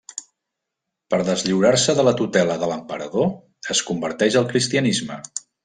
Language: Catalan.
Per deslliurar-se de la tutela de l'emperador, es converteix al cristianisme.